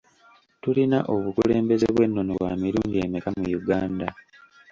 Tulina obukulembeze bw'ennono bwa mirundi emeka mu Uganda?